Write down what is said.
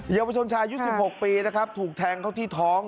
ยาวชนชายุด๑๖ปีนะครับถูกแทงเขาที่ท้อง